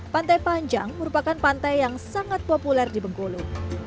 pantai panjang merupakan pantai yang sangat populer di bengkulu